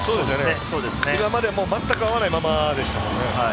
今まで全く合わないままでしたものね。